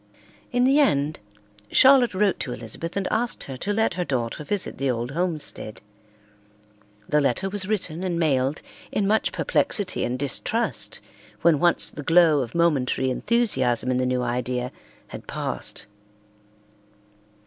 In the end, Charlotte wrote to Elizabeth and asked her to let her daughter visit the old homestead. The letter was written and mailed in much perplexity and distrust when once the glow of momentary enthusiasm in the new idea had passed.